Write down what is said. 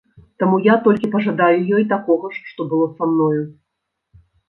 Таму я толькі пажадаю ёй такога ж, што было са мною.